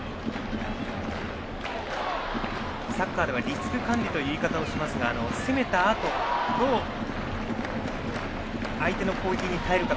サッカーではリスク管理という言い方をしますが攻めたあとどう相手の攻撃に耐えるか。